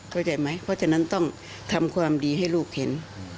เข้าใจไหมเพราะฉะนั้นต้องทำความดีให้ลูกเห็น